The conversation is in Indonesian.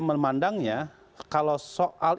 memandangnya kalau soal